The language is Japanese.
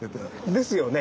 ですよね。